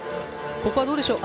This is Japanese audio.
ここはどうでしょうか。